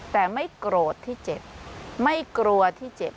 แต่ไม่โกรธที่เจ็บไม่กลัวที่เจ็บ